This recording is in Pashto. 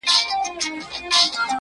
له هر ماښامه تر سهاره بس همدا کیسه وه!